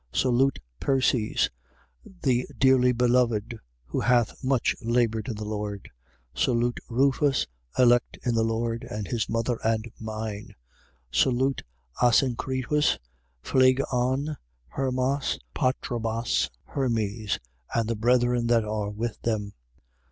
Salute Persis, the dearly beloved, who hath much laboured in the Lord. 16:13. Salute Rufus, elect in the Lord, and his mother and mine. 16:14. Salute Asyncritus, Phlegon, Hermas, Patrobas, Hermes: and the brethren that are with them.